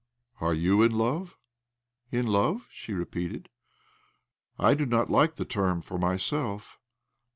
"Are you in love?" "In love?" she repeated. "I do not like the term for myself.